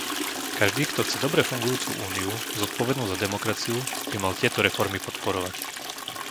Každý, kto chce dobre fungujúcu Úniu zodpovednú za demokraciu, by mal tieto reformy podporovať.